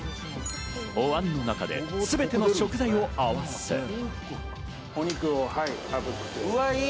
お碗の中ですべての食材を合わせる。